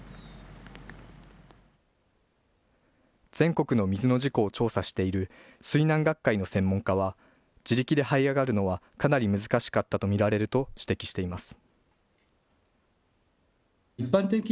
全国の水の事故を調査している水難学会の専門家は自力で、はい上がるのはかなり難しかったと見られると指摘しています。